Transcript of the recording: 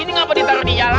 ini ngapa ditaruh di jalan